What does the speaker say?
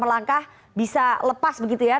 melangkah bisa lepas begitu ya